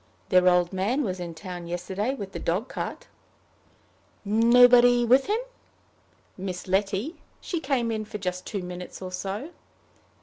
"Their old man was in the town yesterday with the dog cart." "Nobody with him?" "Miss Letty. She came in for just two minutes or so."